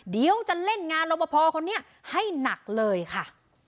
เดี๋ยวจะเล่นงานรบพอคนนี้ให้หนักเลยค่ะ